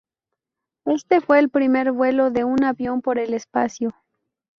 Este fue el primer vuelo de un avión por el espacio.